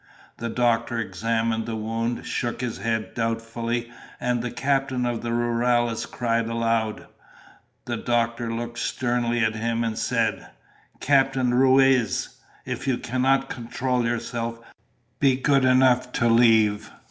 The doctor examined the wound, shook his head doubtfully, and the captain of the rurales cried aloud. The doctor looked sternly at him and said: "Captain Ruiz, if you cannot control yourself, be good enough to leave."